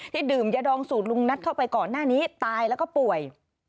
ดื่มยาดองสูตรลุงนัทเข้าไปก่อนหน้านี้ตายแล้วก็ป่วย